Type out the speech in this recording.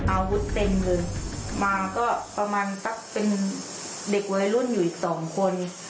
อาวุธเต็มเลยมาก็ประมาณสักเป็นเด็กวัยรุ่นอยู่อีกสองคน